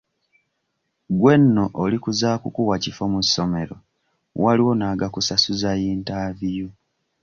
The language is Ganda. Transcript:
Gwe nno oli ku za kukuwa kifo mu ssomero, waliwo n'agakusasuza yintaviyu.